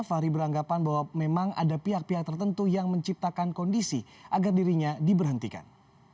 fahri beranggapan bahwa memang ada pihak pihak tertentu yang menciptakan kondisi agar dirinya diberhentikan